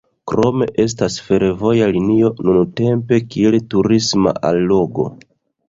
Krome estas fervoja linio nuntempe kiel turisma allogo.